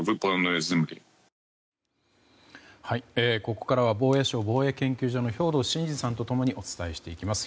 ここからは防衛省防衛研究所の兵頭慎治さんと共にお伝えしていきます。